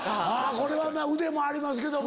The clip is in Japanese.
これはな腕もありますけども。